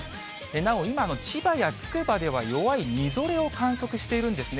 なお、今の千葉やつくばでは弱いみぞれを観測しているんですね。